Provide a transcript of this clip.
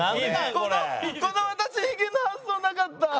この私ヒゲの発想なかった！